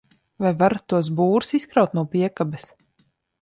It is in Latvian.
Vai varat tos būrus izkraut no piekabes?